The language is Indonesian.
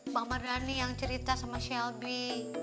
abang merdan nih yang cerita sama shelby